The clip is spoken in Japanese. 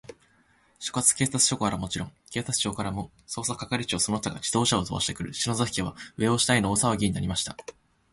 所轄警察署からはもちろん、警視庁からも、捜査係長その他が自動車をとばしてくる、篠崎家は、上を下への大さわぎになりました。